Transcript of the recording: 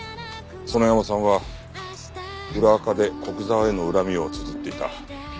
園山さんは裏アカで古久沢への恨みをつづっていた。